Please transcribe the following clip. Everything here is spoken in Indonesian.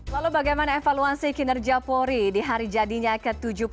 lalu bagaimana evaluasi kinerja polri di hari jadinya ke tujuh puluh tiga